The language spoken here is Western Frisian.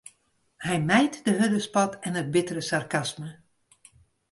Hy mijt de hurde spot en it bittere sarkasme.